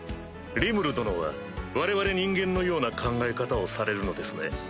リムル殿は我々人間のような考え方をされるのですね。